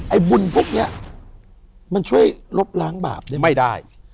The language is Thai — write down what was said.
บุญพวกนี้มันช่วยลบล้างบาปได้ไม่ได้